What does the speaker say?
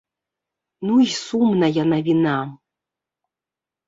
Ну і сумная навіна.